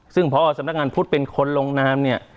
ซึ่งพอสำนักงานพุทธเป็นคนลงนามเนี่ย